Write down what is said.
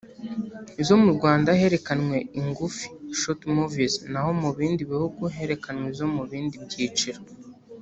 Izo mu Rwanda herekanwe ingufi [short movies] naho mu bindi bihugu herekanwe izo mu bindi byiciro